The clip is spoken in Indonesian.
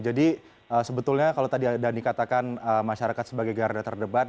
jadi sebetulnya kalau tadi ada yang dikatakan masyarakat sebagai garda terdebat